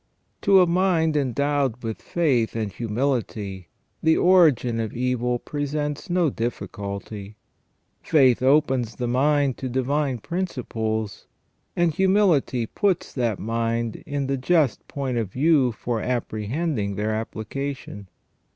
To a mind endowed with faith and humility, the origin of evil presents no difficulty ; faith opens the mind to divine principles, and humility puts that mind in the just point of view for appre hending their application.